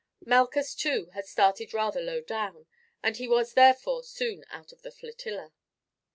Malchus, too, had started rather low down, and he was therefore soon out of the flotilla.